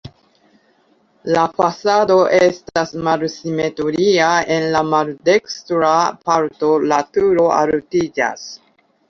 La fasado estas malsimetria, en la maldekstra parto la turo altiĝas.